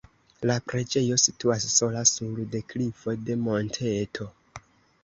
La preĝejo situas sola sur deklivo de monteto.